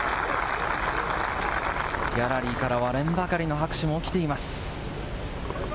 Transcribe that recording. ギャラリーからは割れんばかりの拍手も起きています。